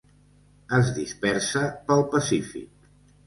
Es dispersa pel Pacífic.